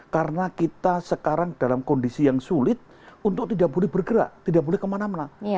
karena kita sekarang dalam kondisi yang sulit untuk tidak boleh bergerak tidak boleh kemana mana